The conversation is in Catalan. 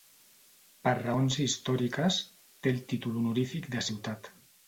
Per raons històriques, té el títol honorífic de ciutat.